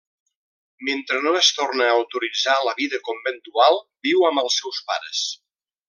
Mentre no es torna a autoritzar la vida conventual, viu amb els seus pares.